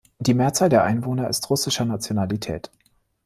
Die Mehrzahl der Einwohner ist russischer Nationalität.